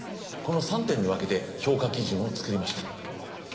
この３点に分けて評価基準を作りました。